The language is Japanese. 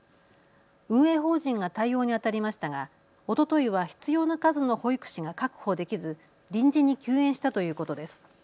運営法人が対応にあたりましたがおとといは必要な数の保育士が確保できず臨時に休園したということです。